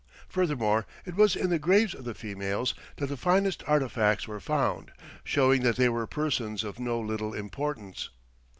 Furthermore, it was in the graves of the females that the finest artifacts were found, showing that they were persons of no little importance.